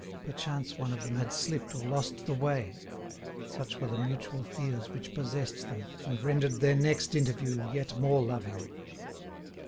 Perchance one of them had slipped, or lost the way; such were the mutual fears which possessed them, and rendered their next interview yet more loving.